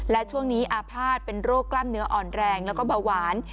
และช่วงนี้อาภาษณ์เป็นโรคกล้ามเนื้ออ่อนแรงแล้วก็เบาหวาน